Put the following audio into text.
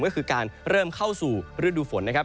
ก็คือการเริ่มเข้าสู่ฤดูฝนนะครับ